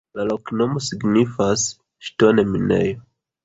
La loknomo signifas: ŝtonminejo.